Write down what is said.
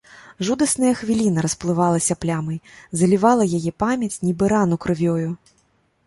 Жудасная хвіліна расплывалася плямай, залівала яе памяць, нібы рану крывёю.